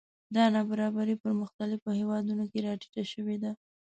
دا نابرابري په پرمختللو هېوادونو کې راټیټه شوې ده